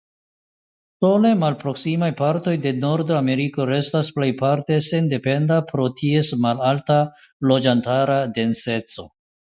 Sole malproksimaj partoj de Nordameriko restas plejparte sendependa pro ties malalta loĝantara denseco.